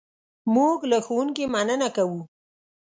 موږ له ښوونکي مننه کوو.